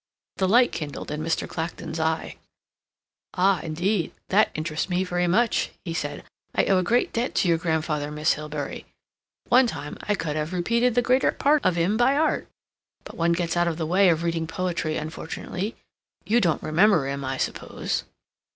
The light kindled in Mr. Clacton's eye. "Ah, indeed. That interests me very much," he said. "I owe a great debt to your grandfather, Miss Hilbery. At one time I could have repeated the greater part of him by heart. But one gets out of the way of reading poetry, unfortunately. You don't remember him, I suppose?"